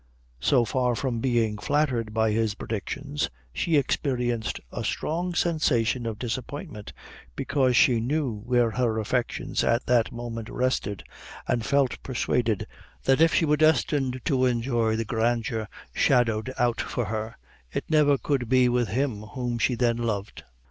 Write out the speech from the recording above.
So far from being flattered by his predictions, she experienced a strong sensation of disappointment, because she knew where her affections at that moment rested, and felt persuaded that if she were destined to enjoy the grandeur shadowed out for her, it never could be with him whom she then loved.